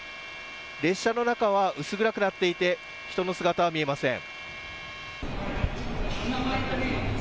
列車の中は薄暗くなっていて人の姿は見えません。